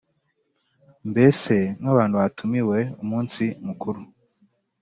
mbese nk’abantu batumiriwe umunsi mukuru;